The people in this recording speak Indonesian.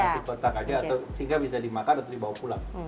di kotak aja atau sehingga bisa dimakan atau dibawa pulang